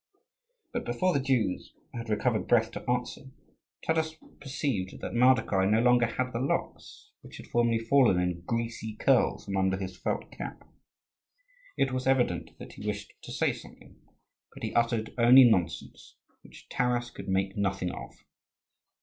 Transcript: But before the Jews had recovered breath to answer, Taras perceived that Mardokhai no longer had the locks, which had formerly fallen in greasy curls from under his felt cap. It was evident that he wished to say something, but he uttered only nonsense which Taras could make nothing of.